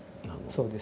そうですね。